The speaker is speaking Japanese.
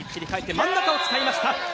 真ん中を使いました。